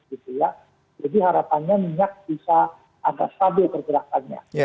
jadi harapannya minyak bisa agak stabil pergerakannya